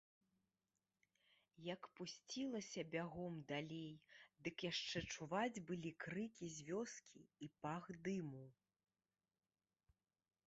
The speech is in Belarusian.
Як пусцілася бягом далей, дык яшчэ чуваць былі крыкі з вёскі і пах дыму.